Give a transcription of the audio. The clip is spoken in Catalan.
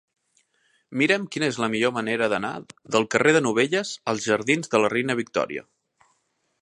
Mira'm quina és la millor manera d'anar del carrer de Novelles als jardins de la Reina Victòria.